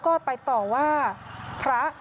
พูดว่าคนอีกก็เห็นเม่าหรือเปล่า